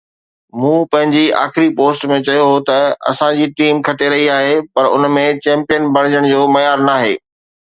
مون پنهنجي آخري پوسٽ ۾ چيو هو ته اسان جي ٽيم کٽي رهي آهي پر ان ۾ چيمپيئن بڻجڻ جو معيار ناهي